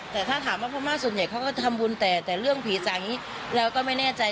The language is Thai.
แต่ถ้าถามว่าพม่าส่วนใหญ่เขาก็ทำบุญแต่เรื่องผีจากอย่างนี้เราก็ไม่แน่ใจ